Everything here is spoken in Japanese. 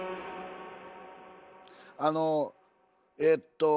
あのえっと。